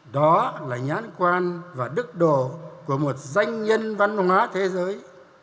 đó là nhãn quan và đức độ của một danh nhân văn hóa thế giới